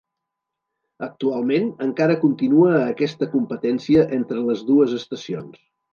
Actualment, encara continua aquesta competència entre les dues estacions.